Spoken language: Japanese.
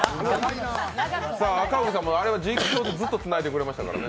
赤荻さんもあれは実況でずっとつないでくれましたからね。